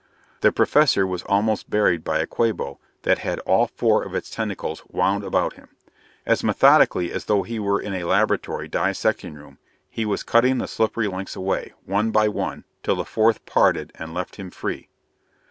The Professor was almost buried by a Quabo that had all four of its tentacles wound about him. As methodically as though he were in a laboratory dissecting room, he was cutting the slippery lengths away, one by one, till the fourth parted and left him free.